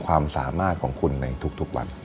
ความสามารถของคุณในทุกวัน